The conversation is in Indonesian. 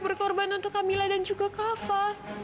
berkorban untuk kak milla dan juga kak afa